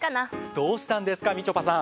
どうしたんですかみちょぱさん。